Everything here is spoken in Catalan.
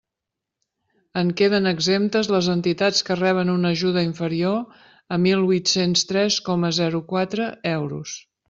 En queden exemptes les entitats que reben una ajuda inferior a mil huit-cents tres coma zero quatre euros.